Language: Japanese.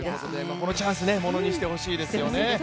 このチャンスものにしてほしいですよね。